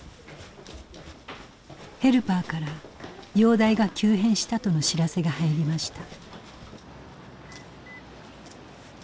ヘルパーから容体が急変したとの知らせが入りました。